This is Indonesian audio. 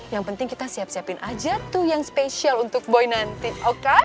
yang penting kita siap siapin aja tuh yang spesial untuk boy sembilan belas oke